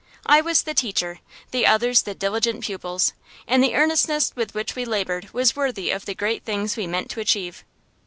I was the teacher, the others the diligent pupils; and the earnestness with which we labored was worthy of the great things we meant to achieve.